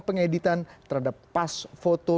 pengeditan terhadap pas foto